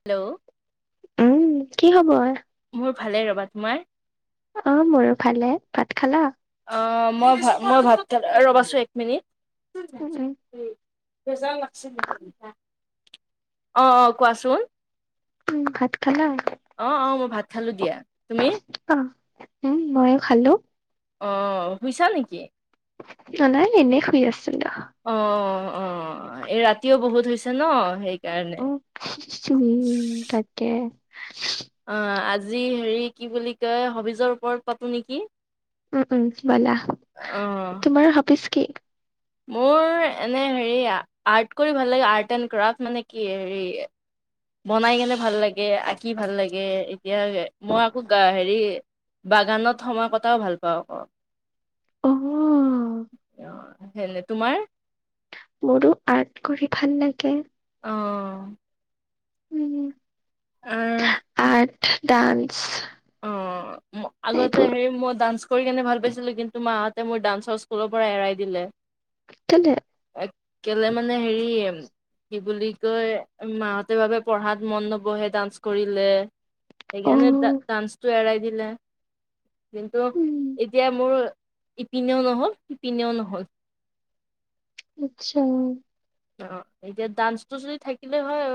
Hello উম' কি খবৰ? মোৰ ভালে ৰবা তোমাৰ? অ মোৰো ভালে, ভাত খালা? অ মই ভ মই ভাত খ ৰবাছো! এক মিনিট। উম, উম, অ', অ', কোৱাচোন? উম, ভাত খালা? অ' অ' মই ভাত খালো দিয়া, তুমি? অ উম মইয় খালোঁ। অঁ শুইছা নেকি? না নাই এনেই শুই আছিলো অ, অ, এই ৰাতিও বহুত হৈছে ন? সেই উম হিহিহি তাকে অ, আজি হেৰি কি বুলি কয়, হবিজৰ ওপৰত পাতো নেকি? উম, উম, ব'লা অ তোমাৰ হবিছ কি? মোৰ এনে হেৰি আৰ্ট কৰি ভাল লাগে, আৰ্ট এণ্ড ক্ৰাফট মানে কি হেৰি বনাই কেনে ভাল লাগে, আঁকি ভাল লাগে। এতিয়া মই আকৌ গা হেৰি বাগানত সময় কটাও ভাল পাওঁ মই, অ'। অ হেলে তোমাৰ। মোৰো টো আৰ্ট কৰি ভাল লাগে অ' উম, আহ, ডাঞ্চ, অ ম আগতে হেই মই ডান্স কৰি কেনে ভাল পাইছিলো, কিন্তু মাহঁতে মোৰ ডাঞ্চৰ স্কুলৰ পৰা এৰাই দিলে। তেলে। এ, কেলে মানে হেৰি কি বুলি কয়, মাহতে ভাবে পঢ়াত মন নবহে ডান্স কৰিলে। সেইকাৰণে ডা অ', ডান্সটো এৰাই দিলে। কিন্তু, উম, এতিয়া মোৰ ইপিনেও নহ'ল, সিপিনেও নহ'ল। আচ্ছা। অ এতিয়া ডাঞ্চটো যদি থাকিলে হয়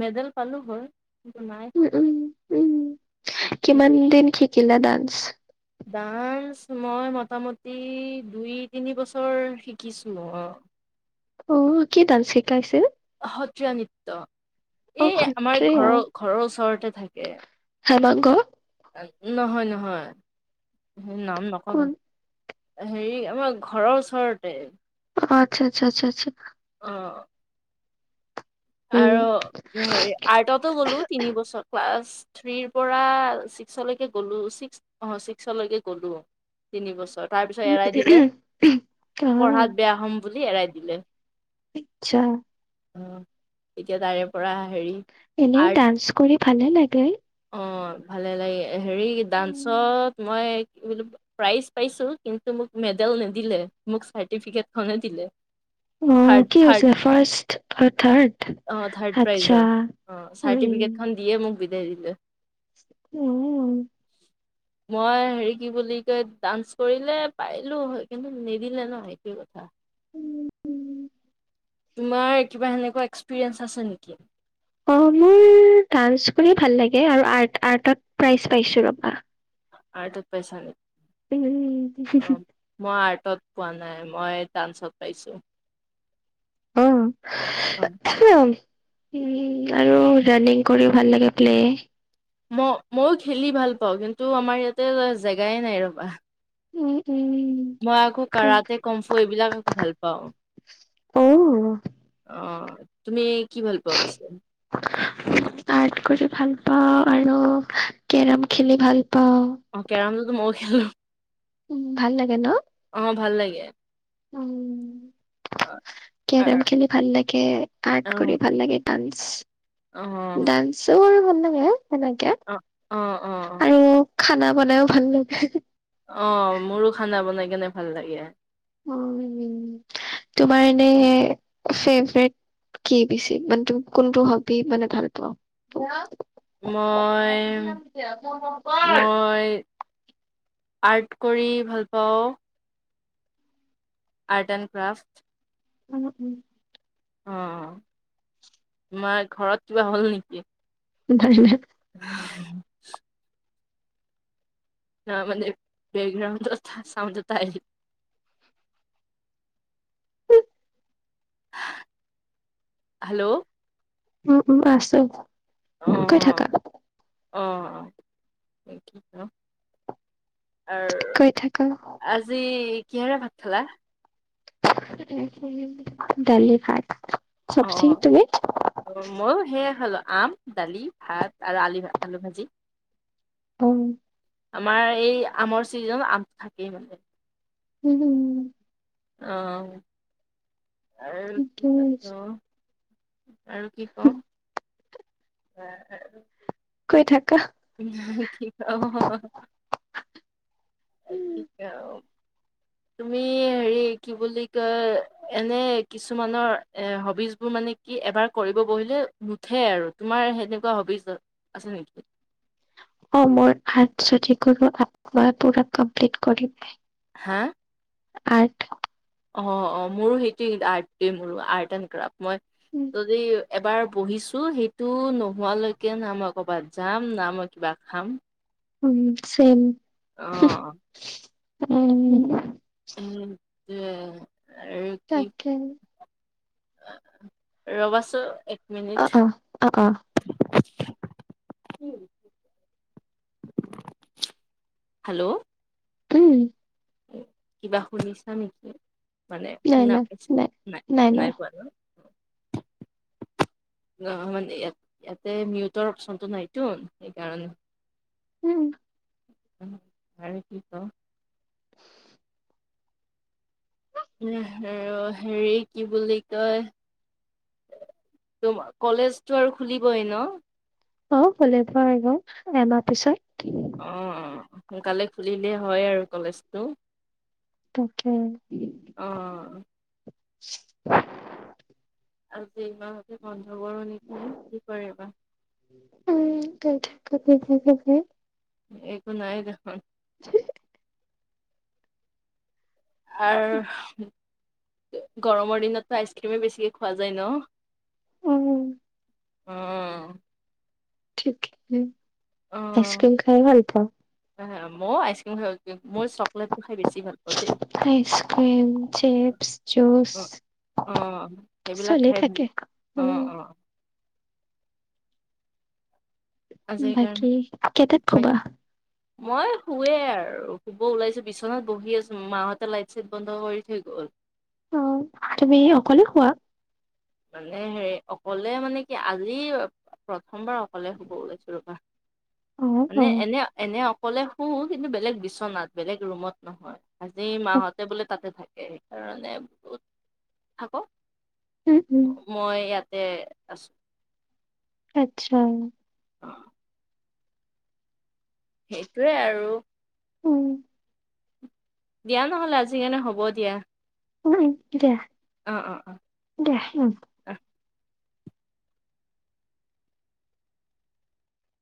মেডেল পালোঁ হয় কিন্তু নাই। উম উম কিমান দিন শিকিলা ডাঞ্চ, ডান্স মই মোটামুটি দুই তিনি বছৰ শিকিছো, অ। অ, কি ডান্স শিকাইছিল? সত্ৰীয়া নৃত্য, অ', এই আমাৰ সত্ৰীয়া। ঘৰৰ ঘৰৰ ওচৰতে থাকে। হেমাংগ। নহয় নহয়, নাম নকব। হেৰি আমাৰ ঘৰৰ ওচৰতে। অ', আচ্ছা, আচ্ছা, আচ্ছা, আচ্ছা। অঁ। উম, হেৰি আৰ্টতো গ'লো তিনি বছৰ ক্লাছ। থ্ৰীৰ পৰা ছিক্সলেকে গ'লো, ছিক্স অ', ছিক্সলৈকে গ'লো। তিনি বছৰ তাৰ পিছত এৰাই দিলে অ পঢ়াত আচ্ছা বেয়া হম বুলি এৰাই দিলে। আচ্ছা। অ, এতিয়া তাৰে পৰা হেৰি। এনেও আৰ্ট ডান্স কৰি ভালে লাগে। অ' ভালে লাগে হেৰি উম, ডান্সত মই কি বুলি প্ৰাইছ পাইছো, কিন্তু মোক মেডেল নিদিলে মোক চাৰটিফিকেট খনহে দিলে। থাৰ্ড অ' কি থাৰ্ড হৈছিল ফাৰ্ষ্ট আৰু থাৰ্ড অ' থাৰ্ড আচ্ছা প্ৰাইজৰ অ' উম চাৰ্টিফিকেটখন দিয়ে মোক বিদায় দিলে। উম'। মই হেৰি কি বুলি কয়- ডান্স কৰিলে পাৰিলো হয় কিন্তু নিদিলে ন' হে- সেইটো কথা। উম উম। তোমাৰ কিবা সেনেকুৱা এক্সপিৰিয়েঞ্চ আছে নেকি? অ', মোৰ ডান্স কৰি ভাল লাগে আৰু আৰ্ট আৰ্টত প্ৰাইজ পাইছো ৰবা। আৰ্টত পাইচা নে? উম' মই আৰ্টত পোৱা নাই, মই ডান্সত পাইছোঁ। অ' উম্ আৰু ৰাণিং কৰিও ভাল লাগে প্লে ম মইও খেলি ভাল পাওঁ কিন্তু আমাৰ ইয়াতে জেগাই নাই ৰবা। উম উম্ মই আকৌ কাৰাতে, কমফু এইবিলাক ভাল পাওঁ। অ'। অ', তুমি কি ভাল পোৱা পিছে? আৰ্ট কৰি ভাল পাওঁ আৰু কেৰম খেলি ভাল পাওঁ। অ কেৰমটোটো ময়ো খেলো। উম ভাল লাগে ন'? অ' ভাল লাগে। উম্, অ' অ' কেৰম খেলি ভাল লাগে, আৰ্ট অ' কৰি ভাল লাগে। ডান্স অ' আছো আৰু বননেকে এনেকে অ', অ' অ' অ' আৰু খানা বনাইও ভাল লাগে। অ'মোৰো খানা বনাই কেনে ভাল লাগে। উম, তোমাৰ এনেই ফেভৰেট কি পিছে, মানে তুমি কোনটো হবি মানে ভাল পোৱা [unintelligible] মই, মই। আৰ্ট কৰি ভাল পাওঁ। Art and craft. উম, উম। তোমাৰ ঘৰত কিবা হ'ল নিকি? [unintelligible] [unintelligible] তাৰ মানে, বেকগ্ৰাণ্ডত চাওন্দ এটা আহি হেল্ল' উম, উম, আছো, কৈ থাকা অঁ তাকে ন আ কৈ থাকা। আজি কিহেৰে ভাত খালা? আজি দালি ভাত। চব ঠিক অ'। তুমি অ', ময়ো সেয়াই খালো, আম, দালি, ভাত আৰু আলু, আলু ভাজি। উম আমাৰ এই আমৰ চিজন আম থাকেই মানে। উম, হুম, অ আৰু কি পাতো আৰু কি কওঁ [unintelligible] কৈ থাকা কি কও তাকেত তুমি হেৰি কি বুলি কয় এনে কিছুমানৰ এ হবিজ বোৰ মানে কি এবাৰ কৰিব বহিলে নুঠে আৰু তোমাৰ হেনেকুৱা হবিজ আছে নিকি অ মই আৰ্ট যদি কৰো আৰ্ট মই পুৰা কমপ্লিট কৰিমে হা আৰ্ট অ অ মোৰো সেইটোৱে আৰ্ট মোৰো আৰ্ট এণ্ড ক্ৰাব মই যদি এবাৰ বহিছো সেইটো নোহোৱালৈকে না মই কৰ'ৰবাত যাম না মই কিবা খাম উম চেম অ উম উ আৰু কি তাকে ৰবা চো এক অ মিনিট অ [inaudible] হেল্লো উম। কিবা শুনিছা নেকি। মানে শুনা পাইছা নাই, নাই পোৱা ন? [inaudible] অ', মানে ইয়াত ইয়াতে মিউটৰ অপচনটো নাইতো সেইকাৰণ উম। [unintelligible] আৰু হেৰি কি বুলি কয় তোমা কলেজটো আৰু খুলিবই ন? অ', খুলিব আৰু এমাহ পিছত। অ', অ', সোনকালে খুলিলেই হয় আৰু কলেজটো। তাকে। অ'। আজি ইমানতে বন্ধ কৰোঁ নেকি? কি কৰে বা? উম [unintelligible] একো নাই দেখোন। [unintelligible] গৰমৰ দিনতটো আইচক্ৰীমেই বেছিকৈ খোৱা যায় ন? উম উম। ঠিকে, আইচক্ৰীম খাই ভাল পাওঁ। মই আইচক্ৰীম খাই মোৰ চকলেতটো খাই বেছি ভাল পাওঁ দেই। আইচক্ৰীম, চিপছ, জুচ অ', অ', সেইবিলাক চলি খাই থাকে [unintelligible] অ', উম অ'। আজি বাকী কাৰণে কেইটাত [unintelligible] [inaudible] মই শুৱে আৰু শুব ওলাইছোঁ বিচনাত বহি আছোঁ, মাৰ হঁতে লাইট চাইট বন্ধ কৰি থৈ গ'ল। অ', তুমি অকলে শুৱা? মানে হেৰি অকলে মানে কি আজি প্ৰথমবাৰ অকলে শুব ওলাইছোঁ ৰ'বা। অ অ মানে এনে, এনে অক অকলে শুঁ কিন্তু বেলেগ বিচনাত, বেলেগ ৰুমত নহয়। আজি মাহতে বোলে তাতে থাক। সেইকাৰণে বহুত থাক উম, উম। মই ইয়াতে আছোঁ। আচ্ছা। [unintelligible] সেইটোৱে আৰু। উম। দিয়া নহ'লে আজি কেনে হ'ব দিয়া। [unintelligible] অ', অ', অ'। দিয়া, উম।